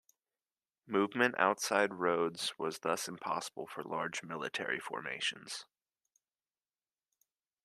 Movement outside roads was thus impossible for large military formations.